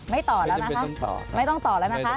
ต่อแล้วนะคะไม่ต้องต่อแล้วนะคะ